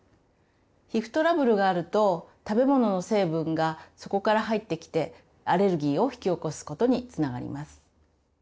皮膚トラブルがあると食べ物の成分がそこから入ってきてアレルギーを引き起こすことにつながります。